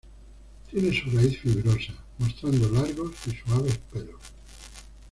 Tiene su raíz fibrosa, mostrando largos y suaves pelos.